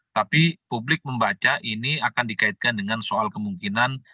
tapi publik membaca ini akan dikaitkan dengan soal kemungkinan